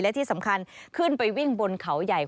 และที่สำคัญขึ้นไปวิ่งบนเขาใหญ่